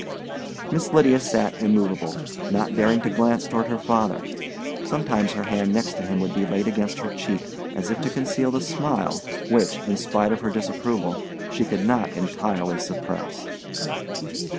Miss Lydia sat immovable, not daring to glance toward her father. Sometimes her hand next to him would be laid against her cheek, as if to conceal the smile which, in spite of her disapproval, she could not entirely suppress.